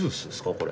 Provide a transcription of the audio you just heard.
これ。